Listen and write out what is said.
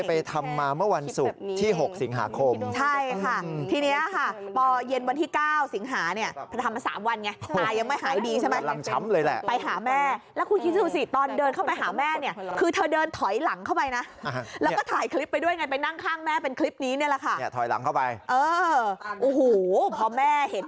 ไปทำมาเมื่อวันศุกร์ที่๖สิงหาคมใช่ค่ะทีนี้ค่ะพอเย็นวันที่เก้าสิงหาเนี่ยเธอทำมาสามวันไงตายังไม่หายดีใช่ไหมกำลังช้ำเลยแหละไปหาแม่แล้วคุณคิดดูสิตอนเดินเข้าไปหาแม่เนี่ยคือเธอเดินถอยหลังเข้าไปนะแล้วก็ถ่ายคลิปไปด้วยไงไปนั่งข้างแม่เป็นคลิปนี้เนี่ยแหละค่ะเนี่ยถอยหลังเข้าไปเออโอ้โหพอแม่เห็น